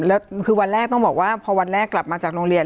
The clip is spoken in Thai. แล้วคือวันแรกต้องบอกว่าพอวันแรกกลับมาจากโรงเรียน